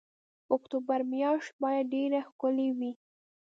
اکتوبر میاشت باید ډېره ښکلې وي.